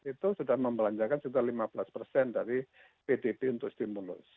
itu sudah membelanjakan sekitar lima belas persen dari pdb untuk stimulus